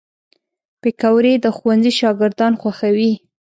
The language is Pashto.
پکورې د ښوونځي شاګردان خوښوي